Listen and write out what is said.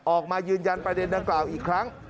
ออกมายืนยันประเด็นดังกล่าวอีกครั้ง